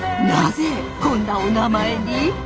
なぜこんなおなまえに！？